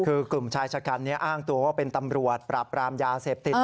คือกลุ่มชายชะกันนี้อ้างตัวว่าเป็นตำรวจปราบรามยาเสพติด